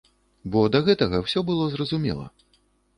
Бо да гэтага ўсё было зразумела.